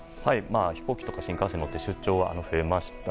飛行機や新幹線に乗って出張が増えてきました。